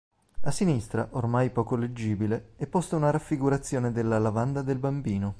A sinistra, ormai poco leggibile, è posta una raffigurazione della "Lavanda del Bambino".